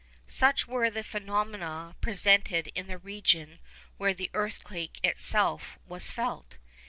Such were among the phenomena presented in the region where the earthquake itself was felt.